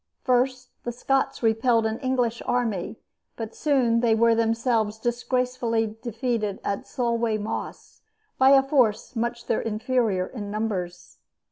First the Scots repelled an English army; but soon they were themselves disgracefully defeated at Solway Moss by a force much their inferior in numbers.